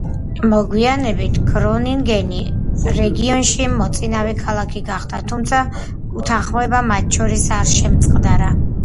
მოგვიანებით გრონინგენი რეგიონში მოწინავე ქალაქი გახდა, თუმცა უთანხმოება მათ შორის არ შემწყდარა.